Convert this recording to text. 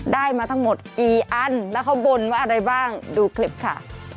ได้มาทั้งหมดกี่อันแล้วเขาบ่นว่าอะไรบ้างดูคลิปค่ะ